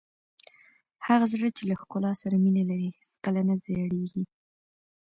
هغه زړه چې له ښکلا سره مینه لري هېڅکله نه زړیږي.